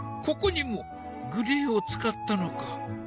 ここにもグレーを使ったのか。